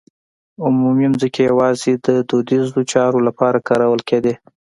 عمومي ځمکې یوازې د دودیزو چارو لپاره کارول کېدې.